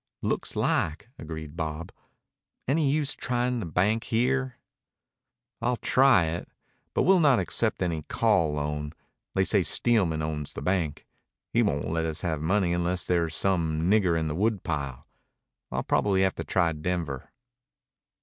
"Looks like," agreed Bob. "Any use tryin' the bank here?" "I'll try it, but we'll not accept any call loan. They say Steelman owns the bank. He won't let us have money unless there's some nigger in the woodpile. I'll probably have to try Denver."